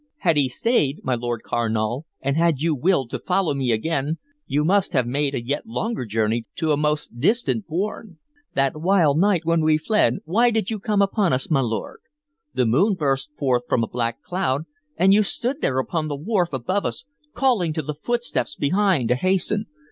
Had he stayed, my Lord Carnal, and had you willed to follow me again, you must have made a yet longer journey to a most distant bourne. That wild night when we fled, why did you come upon us, my lord? The moon burst forth from a black cloud, and you stood there upon the wharf above us, calling to the footsteps behind to hasten.